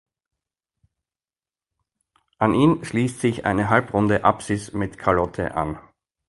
An ihn schließt sich eine halbrunde Apsis mit Kalotte an.